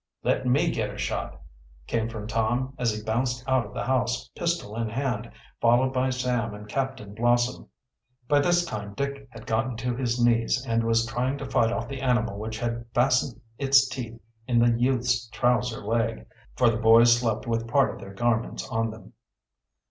"Let me get a shot," came from Tom, as he bounced out of the house, pistol in hand, followed by Sam and Captain Blossom. By this time Dick had gotten to his knees and was trying to fight off the animal which had fastened its teeth in the youth's trouser leg, for the boys slept with part of their garments on them.